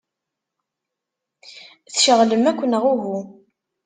Tceɣlem akk, neɣ uhu?